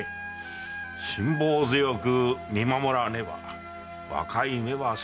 辛抱強く見守らねば若い芽は育ちませんぞ。